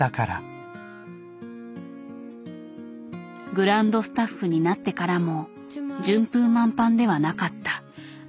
グランドスタッフになってからも順風満帆ではなかった。